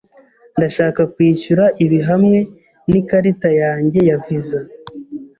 Ndashaka kwishyura ibi hamwe n'ikarita yanjye ya Visa.